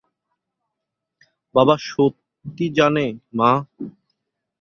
বাবা সত্যি জানে, মা?